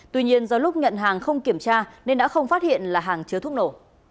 tuy nhiên do lúc nhận hàng không kiểm tra nên đã không phát hiện là hàng chứa thuốc nổ